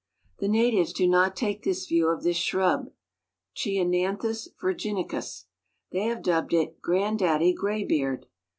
The natives do not take this view of this shrub (Chionanthus virginicus). They have dubbed it "grand daddy gray beard."